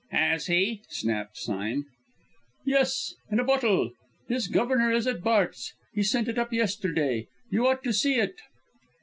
"Has he!" snapped Sime. "Yes, in a bottle. His governor is at Bart's; he sent it up yesterday. You ought to see it."